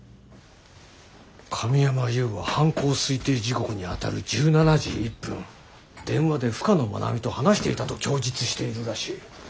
神山祐は犯行推定時刻にあたる１７時１分電話で深野愛美と話していたと供述しているらしい。